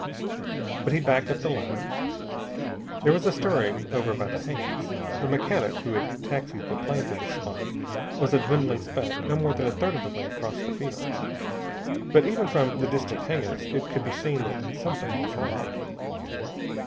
But he backed up the ladder. There was a stirring over by the hangars. The mechanic who had taxied the plane to this spot was a dwindling speck, no more than a third of the way across the field. But even from the distant hangars it could be seen that something was wrong.